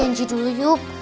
janji dulu yuk